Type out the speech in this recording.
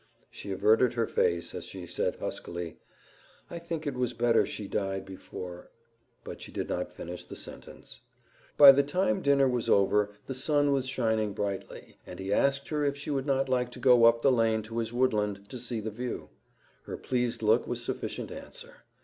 She averted her face as she said huskily, "I think it was better she died before " But she did not finish the sentence. By the time dinner was over the sun was shining brightly, and he asked her if she would not like to go up the lane to his woodland to see the view. Her pleased look was sufficient answer.